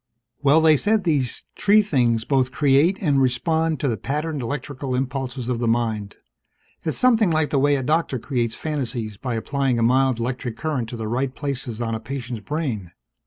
"Well, they said these tree things both create and respond to the patterned electrical impulses of the mind. It's something like the way a doctor creates fantasies by applying a mild electric current to the right places on a patient's brain.